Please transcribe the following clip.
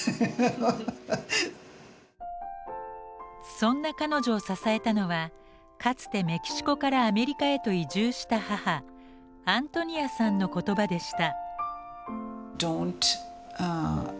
そんな彼女を支えたのはかつてメキシコからアメリカへと移住した母アントニアさんの言葉でした。